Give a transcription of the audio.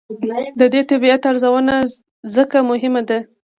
د دې طبیعت ارزونه ځکه مهمه ده.